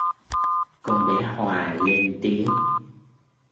Con bé Hòa lên tiếng